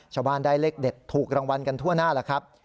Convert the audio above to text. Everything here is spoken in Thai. ชาวบ้านได้เลขเด็ดถูกรางวัลกันทั่วหน้าแล้วครับ